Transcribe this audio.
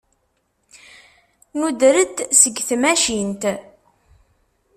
Nuder-d seg tmacint.